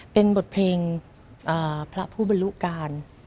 เป็นบทเพลงพระผู้บรรลุการ